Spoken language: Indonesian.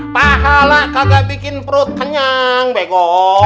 pahala kagak bikin perut kenyang bego